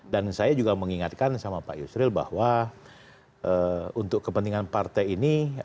dan saya juga mengingatkan sama pak yusril bahwa untuk kepentingan partai ini